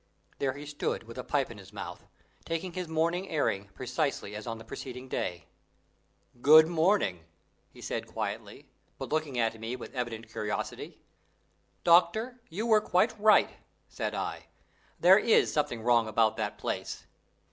There he stood, with a pipe in his mouth, taking his morning airing precisely as on the preceding day. "Good morning," said he quietly, but looking at me with evident curiosity. "Doctor, you were quite right," said I. "There is something wrong about that place."